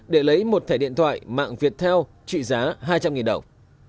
để lấy một thẻ điện thoại mạng viettel trị giá hai trăm linh đồng